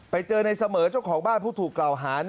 ไปเจอในเสมอเจ้าของบ้านผู้ถูกกล่าวหา